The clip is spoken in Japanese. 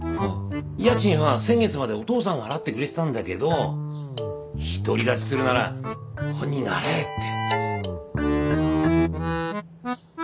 家賃は先月までお父さんが払ってくれてたんだけど独り立ちするなら本人が払えって。